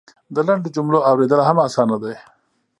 د لنډو جملو اورېدل هم اسانه دی.